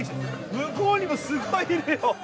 向こうにもすごいいるよ。